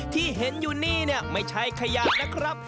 ที่เห็นอยู่นี่ไม่ใช่ขยะนะครับ